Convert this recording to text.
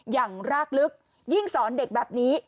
อย่างรากลึกยิ่งสอนเด็กแบบนี้